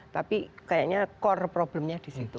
tapi kayaknya core problemnya di situ